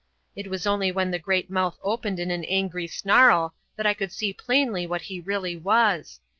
It was only when the great mouth opened in an angry snarl that I could see plainly what he really was.